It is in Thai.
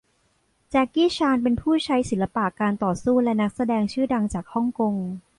แจ็คกี้ชานเป็นผู้ใช้ศิลปะการต่อสู้และนักแสดงชื่อดังจากฮ่องกง